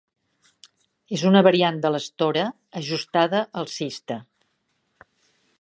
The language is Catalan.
És una variant de l'Estora ajustada alcista.